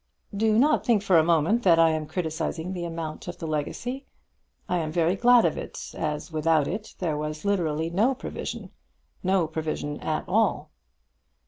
"Do not think for a moment that I am criticising the amount of the legacy. I am very glad of it, as, without it, there was literally no provision, no provision at all."